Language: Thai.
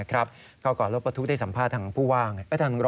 เขาก่อนรบประทุที่สัมภาพทางผู้ว่าง